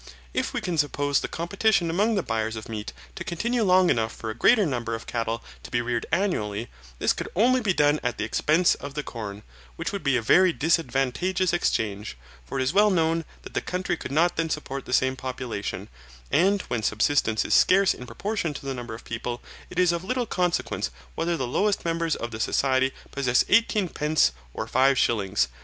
If we can suppose the competition among the buyers of meat to continue long enough for a greater number of cattle to be reared annually, this could only be done at the expense of the corn, which would be a very disadvantagous exchange, for it is well known that the country could not then support the same population, and when subsistence is scarce in proportion to the number of people, it is of little consequence whether the lowest members of the society possess eighteen pence or five shillings.